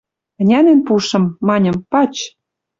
Ӹнянен пушым, маньым: «Пач».